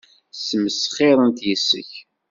Ssmesxirent yes-k.